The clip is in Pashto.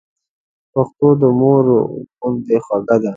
پښتو د مور غوندي خوږه ده.